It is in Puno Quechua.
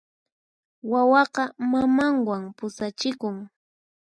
Wawaqa mamanwan pusachikun.